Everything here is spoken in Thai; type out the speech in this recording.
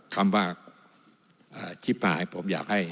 คำว่าชิบหายผมอยากให้